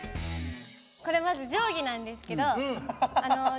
これまず定規なんですけど定規で。